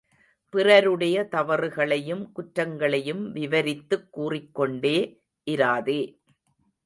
பிறருடைய தவறுகளையும், குற்றங்கனையும் விவரித்துக் கூறிக்கொண்டே இராதே.